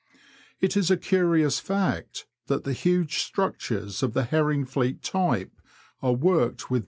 It is a curious fact that the huge structures of the Herringfleet type are worked with!